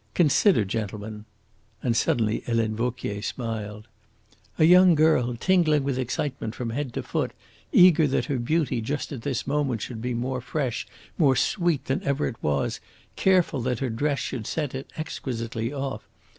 Consider, gentlemen!" And suddenly Helene Vauquier smiled. "A young girl tingling with excitement from head to foot, eager that her beauty just at this moment should be more fresh, more sweet than ever it was, careful that her dress should set it exquisitely off.